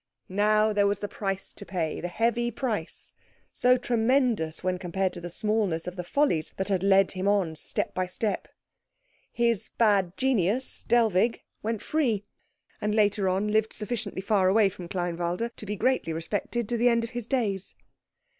Now there was the price to pay, the heavy price, so tremendous when compared to the smallness of the follies that had led him on step by step. His bad genius, Dellwig, went free; and later on lived sufficiently far away from Kleinwalde to be greatly respected to the end of his days.